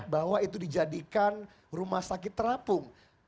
bahwa itu dijadikan rumah sakit terapung